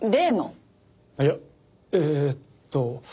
いやえーっと。